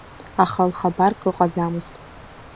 Аха лхабарк ыҟаӡамызт.